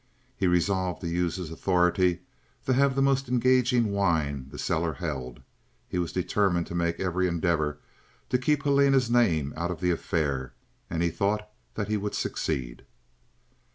He resolved to use his authority to have the most engaging wine the cellar held. He was determined to make every endeavour to keep Helena's name out of the affair, and he thought that he would succeed.